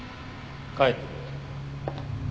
帰ってくれ。